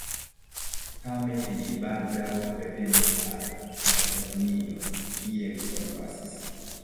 Tamen, li baldaŭ revenis al Kalifornio, kie li forpasis.